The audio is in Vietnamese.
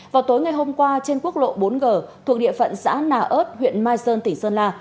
vào tối ngày hôm qua trên quốc lộ bốn g thuộc địa phận xã nà ớt huyện mai sơn tỉnh sơn la